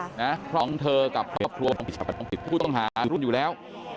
เพราะของเธอกับผู้ต้องหารุ่นอยู่แล้ว